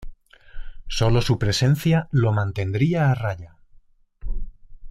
Solo su presencia lo mantendría a raya.